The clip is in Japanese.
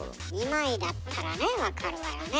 ２枚だったらねわかるわよね。